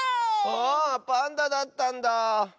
あパンダだったんだ。